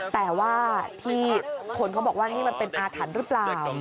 แต่ว่าที่คนเขาบอกว่านี่มันเป็นอาถรรพ์หรือเปล่า